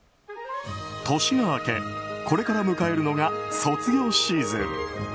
年が明け、これから迎えるのが卒業シーズン。